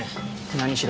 何しろ